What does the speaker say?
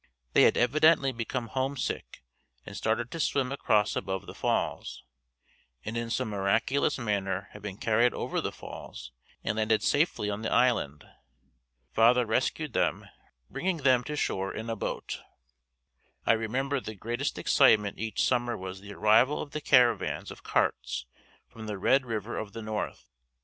They had evidently become homesick and started to swim across above the falls, and in some miraculous manner had been carried over the falls and landed safely on the island. Father rescued them, bringing them to shore in a boat. I remember the greatest excitement each summer was the arrival of the caravans of carts from the Red River of the North.